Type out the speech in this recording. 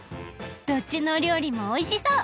どっちのおりょうりもおいしそう！